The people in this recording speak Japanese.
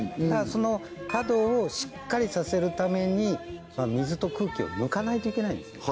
その角をしっかりさせるために水と空気を抜かないといけないんですね